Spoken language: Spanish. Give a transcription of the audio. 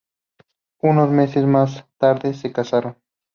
Unos meses más tarde, se casaron.